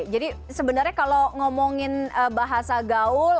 jadi sebenarnya kalau ngomongin bahasa gaul